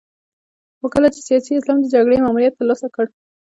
خو کله چې سیاسي اسلام د جګړې ماموریت ترلاسه کړ.